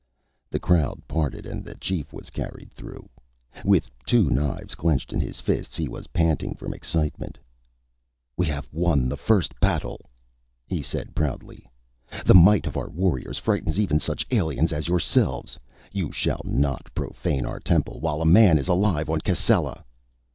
The crowd parted and the chief was carried through. With two knives clenched in his fists, he was panting from excitement. "We have won the first battle!" he said proudly. "The might of our warriors frightens even such aliens as yourselves. You shall not profane our temple while a man is alive on Cascella!"